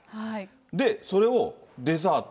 で、それをデザート？